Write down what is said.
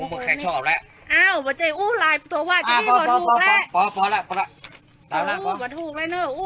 พอแหละนี่ก็ถูกแหละเนี่ย